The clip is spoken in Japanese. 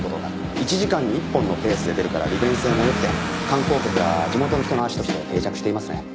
１時間に１本のペースで出るから利便性もよくて観光客や地元の人の足として定着していますね。